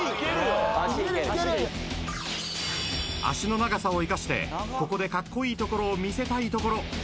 ［脚の長さを生かしてここでカッコイイところを見せたいところ］